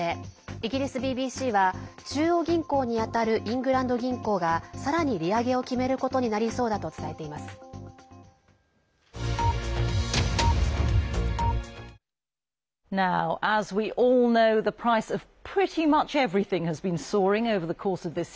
イギリスＢＢＣは中央銀行にあたるイングランド銀行がさらに利上げを決めることになりそうだと伝えています。